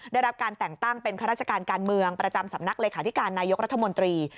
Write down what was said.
ได้รับการแต่งตั้งเป็นข้าราชการการเมืองประจำสำนักเลขาธิการนายกรัฐมนตรี